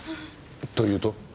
というと？